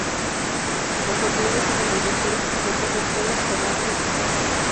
Los contenidos iban desde historias completas hasta historias con arte incompleto.